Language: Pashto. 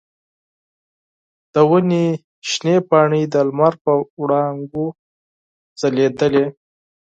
د ونې شنې پاڼې د لمر په وړانګو ځلیدلې.